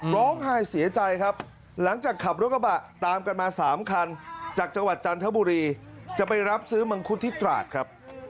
ร้องไห้เสียใจครับหลังจากขับรถกระบะตามกันมา๓คันจากจังหวัดจันทบุรีจะไปรับซื้อมังคุดที่ตราดครับ